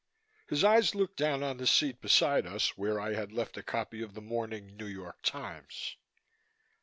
His eyes looked down on the seat beside us, where I had left a copy of the morning New York Times.